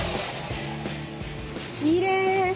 きれい！